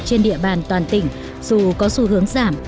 trên địa bàn toàn tỉnh dù có xu hướng giảm